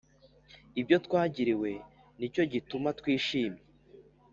Ibyotwagiriwe ni cyo gituma twishimye